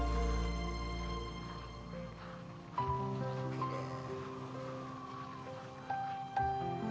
きれい。